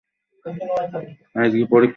চতুর্থ প্রজন্মে, কোনও বিয়ে হবে না।